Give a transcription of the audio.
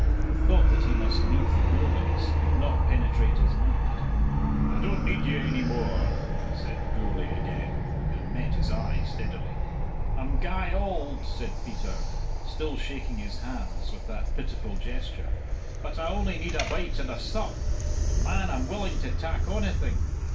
The thought that he must leave the Gourlays could not penetrate his mind. "I don't need you ainy more," said Gourlay again, and met his eye steadily. "I'm gey auld," said Peter, still shaking his hands with that pitiful gesture, "but I only need a bite and a sup. Man, I'm willin' to tak onything."